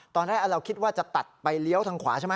ตอนแรกเราคิดว่าจะตัดไปเลี้ยวทางขวาใช่ไหม